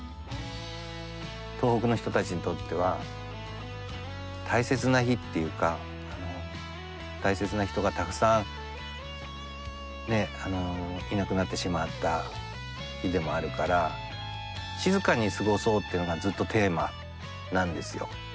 東北の人たちにとっては大切な日っていうか大切な人がたくさんねえいなくなってしまった日でもあるから静かに過ごそうっていうのがずっとテーマなんですよ。